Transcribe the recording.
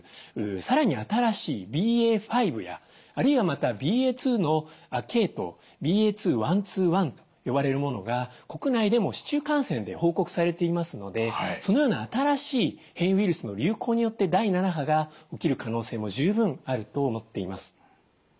さらに新しいＢＡ．５やあるいはまたＢＡ．２の亜系統ＢＡ．２．１２．１と呼ばれるものが国内でも市中感染で報告されていますのでそのような新しい変異ウイルスの流行によって第７波が起きる可能性も十分あると思っています。